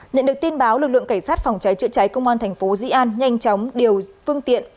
nhận được tin báo lực lượng cảnh sát phòng cháy chữa cháy công an thành phố dĩ an nhanh chóng điều phương tiện